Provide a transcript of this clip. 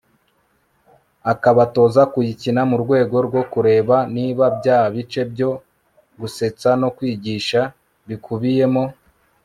akabatoza kuyikina murwego rwo kureba niba bya bice byo gusetsa no kwigisha bikubiyemo